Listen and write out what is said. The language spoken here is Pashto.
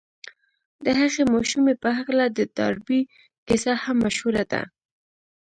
د هغې ماشومې په هکله د ډاربي کيسه هم مشهوره ده.